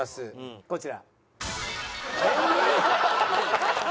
こちら。